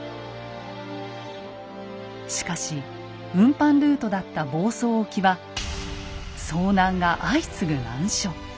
しかし運搬ルートだった房総沖は遭難が相次ぐ難所。